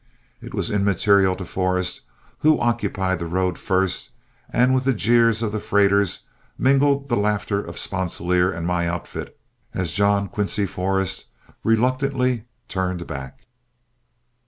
It was immaterial to Forrest who occupied the road first, and with the jeers of the freighters mingled the laughter of Sponsilier and my outfit, as John Quincy Forrest reluctantly turned back.